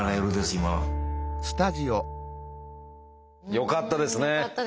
よかったですね。